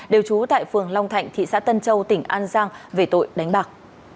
đều trú tại phường long thạnh thị xã tân châu tỉnh an giang về tội đánh bạc